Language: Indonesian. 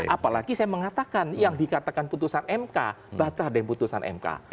apalagi saya mengatakan yang dikatakan putusan mk baca deh putusan mk